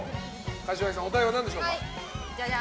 柏木さん、お題は何でしょうか。